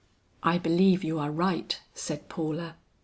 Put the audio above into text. "I believe you are right," said Paula.